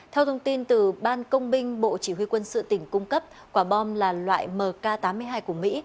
theo thông tin từ ban công binh bộ chỉ huy quân sự tỉnh cung cấp quả bom là loại mk tám mươi hai của mỹ